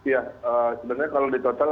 ya sebenarnya kalau di total